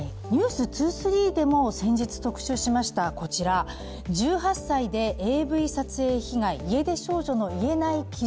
「ｎｅｗｓ２３」でも先日特集しましたこちら、１８歳でＡＶ撮影被害、家出少女の癒えない傷。